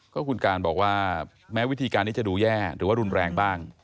ก็คุณการบอกว่าแม้วิธีการนี้จะดูแย่หรือว่ารุนแรงบ้าง